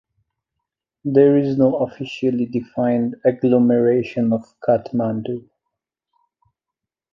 There is no officially defined agglomeration of Kathmandu.